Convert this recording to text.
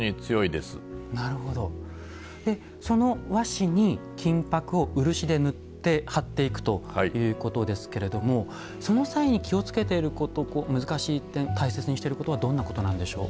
でその和紙に金箔を漆で塗って貼っていくということですけれどもその際に気を付けていること難しい点大切にしていることはどんなことなんでしょう？